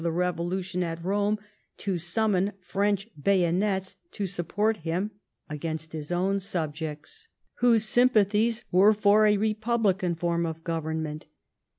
the revolution at Bome to summon French bayo nets to support him against his own subjects, whose YEAB8 OF BJEVOLUTION. 125 sympathies were for a republican form of govern ment.